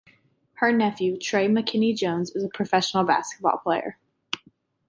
Her nephew, Trey McKinney-Jones, is a professional basketball player.